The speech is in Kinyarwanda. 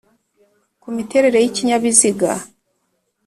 kumiterere y’ikinyabiziga